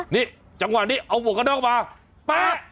นี่จังหวะนี่เอาบวกกันออกมาป๊ะ